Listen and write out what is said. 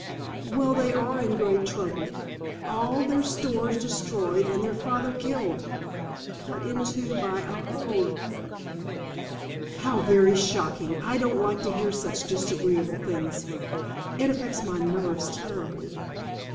"Well, they are in great trouble; all their stores destroyed, and their father killed, cut in two by a hoe." "How very shocking! I don't like to hear of such disagreeable things, it affects my nerves terribly.